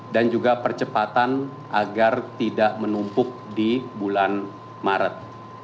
dan juga percepatan agar tidak menumpuk di bulan maret